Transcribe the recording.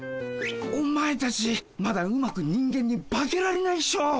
お前たちまだうまく人間に化けられないっしょ。